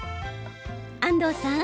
安東さん